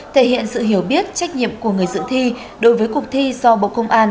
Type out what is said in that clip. thể hiện sự hiểu biết trách nhiệm của người dự thi đối với cuộc thi do bộ công an